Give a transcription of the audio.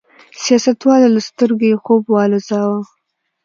سیاستوالو له سترګو یې خوب والوځاوه.